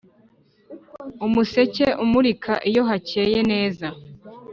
Umuseke umurika iyo hakeye neza,